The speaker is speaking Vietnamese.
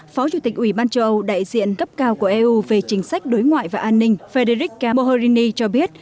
phó chủ tịch ủy ban châu âu đại diện cấp cao của eu về chính sách đối ngoại và an ninh federic kamini cho biết